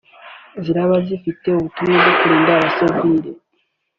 zizaba zifite ubutumwa bwo kurinda abasivili